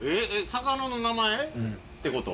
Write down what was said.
魚の名前ってこと？